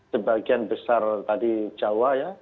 sebagian besar tadi jawa ya